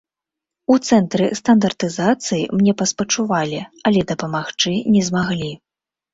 У цэнтры стандартызацыі мне паспачувалі, але дапамагчы не змаглі.